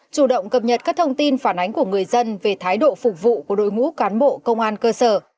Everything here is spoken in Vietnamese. chủ động cập nhật các thông tin phản ánh của người dân về thái độ phục vụ của đội ngũ cán bộ công an cơ sở